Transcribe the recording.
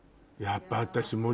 やっぱ私。